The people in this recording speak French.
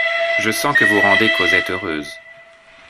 Je sens que vous rendez Cosette heureuse.